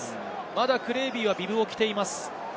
まだクレービーはビブを着ています。